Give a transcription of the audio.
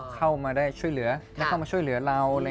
เขามีช่วยเหลือเขามาช่วยเหลือเรา